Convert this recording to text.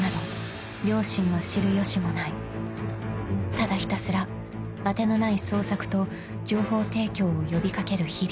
［ただひたすら当てのない捜索と情報提供を呼び掛ける日々］